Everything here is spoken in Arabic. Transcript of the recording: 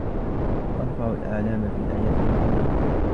نرفع الأعلام في الأعياد الوطنية.